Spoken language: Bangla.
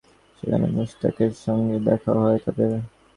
সেখানে মুশতাকের সঙ্গে দেখাও হয় তাঁদের।